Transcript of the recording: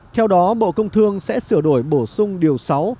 theo đó bộ công thương sẽ sửa đổi bổ sung điều sáu